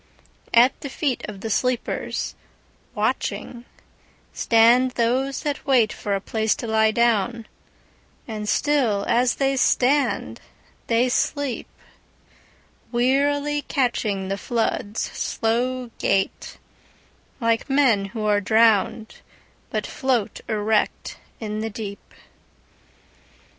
At the feet of the sleepers, watching, Stand those that waitFor a place to lie down; and still as they stand, they sleep, Wearily catchingThe flood's slow gaitLike men who are drowned, but float erect in the deep.